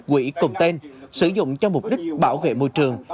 quỹ cùng tên sử dụng cho mục đích bảo vệ môi trường